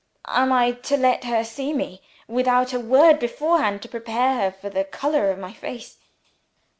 'Am I to let her see me, without a word beforehand to prepare her for the color of my face?'"